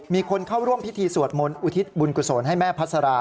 มีคนเข้าร่วมพิธีสวดมนต์อุทิศบุญกุศลให้แม่พัสรา